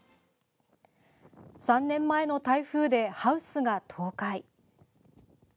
３年前の台風でハウスが倒壊。